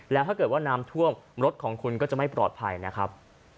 แล้วถ้าเกิดว่าน้ำท่วมรถของคุณก็จะไม่ปลอดภัยนะครับ